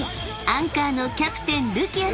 ［アンカーのキャプテンるき